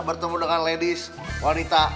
bertemu dengan ladies wanita